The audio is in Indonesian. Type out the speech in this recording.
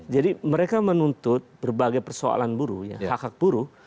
jadi mereka menuntut berbagai persoalan buruh hak hak buruh